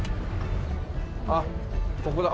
あっここだ。